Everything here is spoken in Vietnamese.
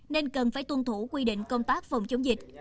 nên cần phải tuân thủ quy định công tác phòng chống dịch